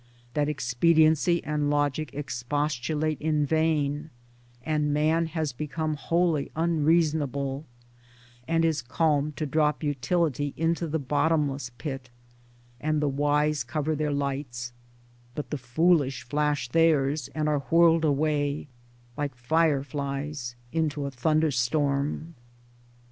That expediency and logic expostulate in vain, and man has become wholly unreasonable, and is calm to drop utility into the bottomless pit ; and the wise cover their lights, but the fools flash theirs and are whirled away — like fireflies in a thunderstorm?